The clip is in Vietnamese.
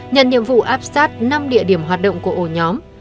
nhận nhiệm vụ áp sát năm địa điểm hoạt động của ổ nhóm